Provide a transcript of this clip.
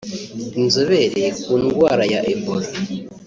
inzobere ku ndwara ya Ebola